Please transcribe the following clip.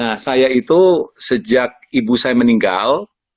nah saya itu sejak ibu saya meninggal